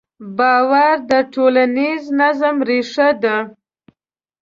باور د ټولنیز نظم ریښه ده.